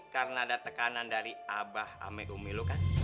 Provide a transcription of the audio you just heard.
karena ada tekanan dari abah amegumi lu kan